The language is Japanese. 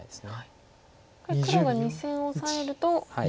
これ黒が２線オサえると。